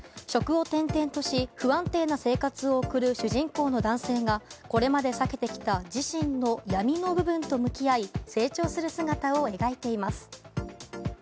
職を転々とし不安定な生活を送る主人公の男性がこれまで避けてきた自身の闇の部分と向き合い成長する姿を描いています。